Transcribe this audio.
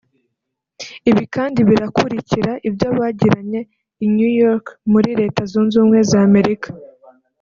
Ibi kandi birakurikira ibyo bagiranye i New York muri Leta Zunze Ubumwe za Amerika